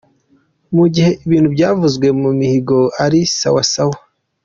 mu gihe ibintu byavuzwe mu mihigo ko ari “ sawa sawa”.